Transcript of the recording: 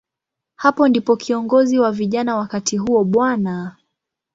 Hapo ndipo kiongozi wa vijana wakati huo, Bw.